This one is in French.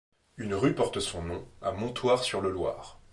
Une rue porte son nom, à Montoire-sur-le-Loir.